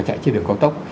chạy trên đường cao tốc